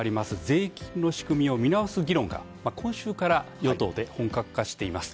税金の仕組みを見直す議論が今週から与党で本格化しています。